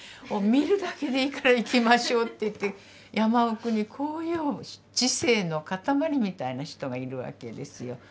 「もう見るだけでいいから行きましょう」って言って山奥にこういう知性の塊みたいな人がいるわけですよ。